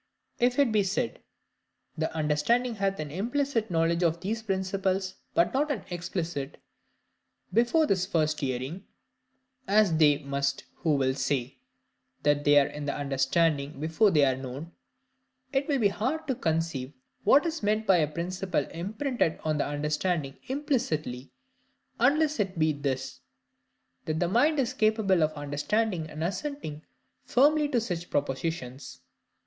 If it be said, the understanding hath an IMPLICIT knowledge of these principles, but not an EXPLICIT, before this first hearing (as they must who will say "that they are in the understanding before they are known,") it will be hard to conceive what is meant by a principle imprinted on the understanding implicitly, unless it be this,—that the mind is capable of understanding and assenting firmly to such propositions.